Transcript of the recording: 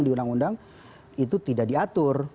di undang undang itu tidak diatur